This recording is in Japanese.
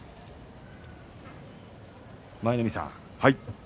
舞の海さん